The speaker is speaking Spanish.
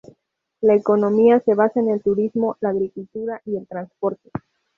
La economía se basa en el turismo, la agricultura y el transporte.